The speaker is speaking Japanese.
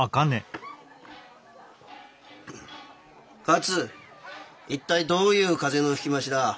勝一体どういう風の吹き回しだ？